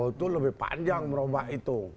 oh itu lebih panjang bro bang itu